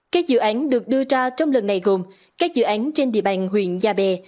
các dự án được đưa ra trong lần này gồm các dự án trên địa bàn huyện gia bè